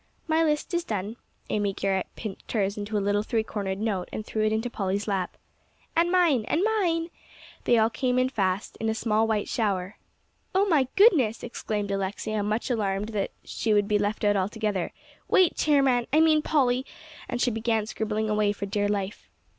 "My list is done." Amy Garrett pinched hers into a little three cornered note, and threw it into Polly's lap. "And mine and mine." They all came in fast in a small white shower. "Oh my goodness!" exclaimed Alexia, much alarmed that she would be left out altogether. "Wait, Chairman I mean, Polly," and she began scribbling away for dear life.